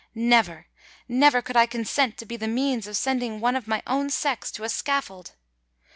Never—never could I consent to be the means of sending one of my own sex to a scaffold!